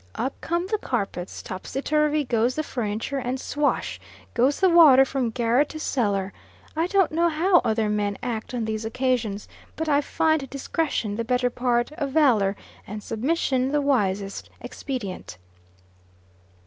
Up come the carpets, topsyturvy goes the furniture, and swash! goes the water from garret to cellar. I don't know how other men act on these occasions, but I find discretion the better part of valor, and submission the wisest expedient.